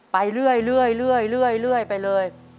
ไปเรื่อยไปเลย